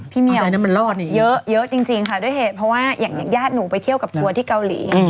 พี่เมียวเยอะจริงค่ะด้วยเหตุเพราะว่าอย่างยาดหนูไปเที่ยวกับทัวร์ที่เกาหลี